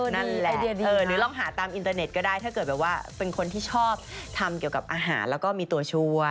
นั่นแหละหรือลองหาตามอินเตอร์เน็ตก็ได้ถ้าเกิดแบบว่าเป็นคนที่ชอบทำเกี่ยวกับอาหารแล้วก็มีตัวชัวร์